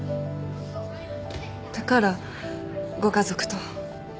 だからご家族と。